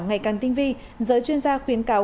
ngày càng tinh vi giới chuyên gia khuyến cáo